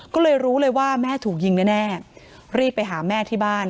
ก็เลยรู้เลยว่าแม่ถูกยิงแน่รีบไปหาแม่ที่บ้าน